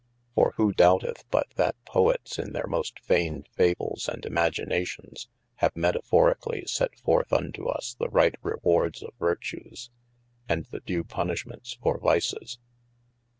For who doubteth but that Poets in their most feyned fables and imaginations, have metaphorically set forth unto us the right rewardes of vertues, and the due punishments for vices?